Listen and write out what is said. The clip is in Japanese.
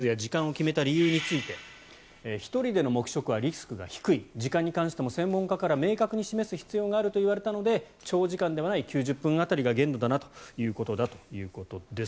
埼玉の大野知事人数や時間を決めた理由について１人での黙食はリスクが低い時間に関しても専門家から明確に示す必要があるといわれたので長時間ではない９０分辺りが限度だなということです。